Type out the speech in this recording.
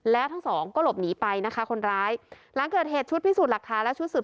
แล้วทั้งสองก็หลบหนีไปนะคะคนร้ายหลังเกิดเหตุชุดพิสูจน์หลักฐานและชุดสืบ